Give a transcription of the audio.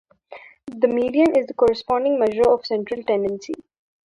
The median is the corresponding measure of central tendency.